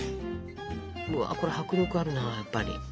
うわこれ迫力あるなやっぱり。